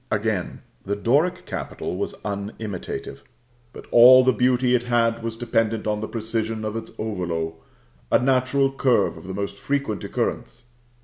Again: the Doric capital was unimitative; but all the beauty it had was dependent on the precision of its ovolo, a natural curve of the most frequent occurrence.